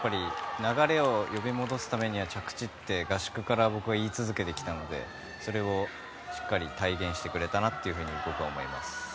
流れを呼び戻すためには着地って合宿から僕は言い続けてきたのでそれをしっかり体現してくれたなと思います。